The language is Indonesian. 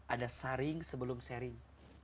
ada sharing sebelum sharing